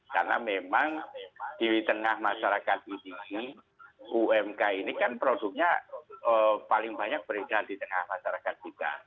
karena memang di tengah masyarakat ini umkm ini kan produknya paling banyak berada di tengah masyarakat kita